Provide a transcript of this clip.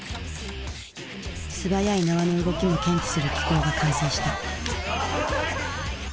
素早い縄の動きも検知する機構が完成した。